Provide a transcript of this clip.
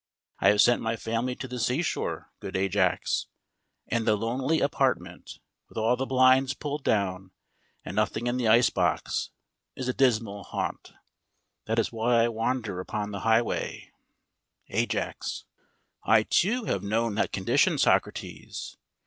I have sent my family to the seashore, good Ajax, and the lonely apartment, with all the blinds pulled down and nothing in the icebox, is a dismal haunt. That is why I wander upon the highway. AJAX: I, too, have known that condition, Socrates.